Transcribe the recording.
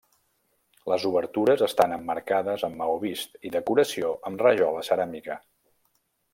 Les obertures estan emmarcades amb maó vist i decoració amb rajola ceràmica.